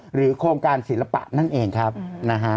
โครงการศิลปะนั่นเองครับนะฮะ